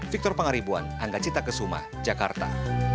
victor pangaribuan angga cita kesumah jakarta